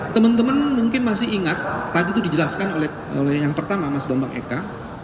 teman teman mungkin masih ingat tadi itu dijelaskan oleh yang pertama mas bambang eka